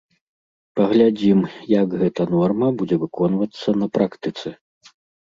Паглядзім, як гэта норма будзе выконвацца на практыцы.